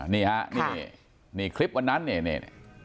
นี่ค่ะคลิปวันนั้นนี่